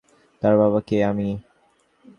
তার বাবা কে, আমি?